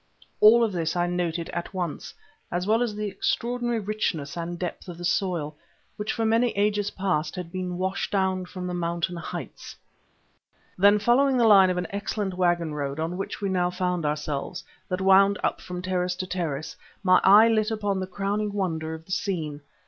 All of this I noted at once, as well as the extraordinary richness and depth of the soil, which for many ages past had been washed down from the mountain heights. Then following the line of an excellent waggon road, on which we now found ourselves, that wound up from terrace to terrace, my eye lit upon the crowning wonder of the scene.